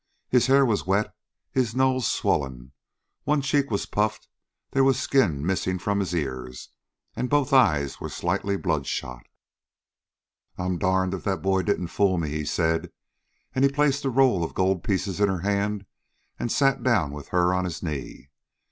His hair was wet, his nose swollen, one cheek was puffed, there was skin missing from his ears, and both eyes were slightly bloodshot. "I 'm darned if that boy didn't fool me," he said, as he placed the roll of gold pieces in her hand and sat down with her on his knees.